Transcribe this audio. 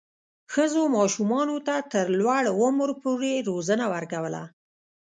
ښځو ماشومانو ته تر لوړ عمر پورې روزنه ورکوله.